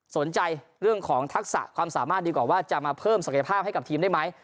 สนใจเรื่องของทักษะความสามารถดีกว่าว่าจะมาเพิ่มศักยภาพให้กับทีมได้ไหม